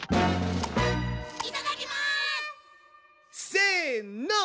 せの！